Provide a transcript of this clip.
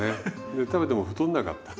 で食べても太んなかった。